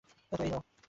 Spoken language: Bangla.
তো, এই নাও।